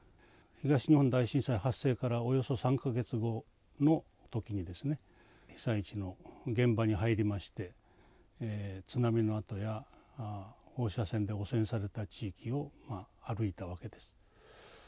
東日本大震災発生からおよそ３か月後の時にですね被災地の現場に入りまして津波の跡や放射線で汚染された地域を歩いたわけです。